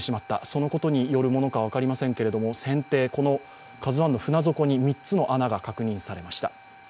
そのことによるものか分かりませんけれども船底、「ＫＡＺＵⅠ」の船底に３つ穴が確認されました。